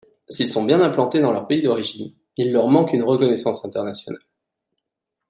S'ils sont bien implantés dans leur pays d'origine, il leur manque une reconnaissance internationale.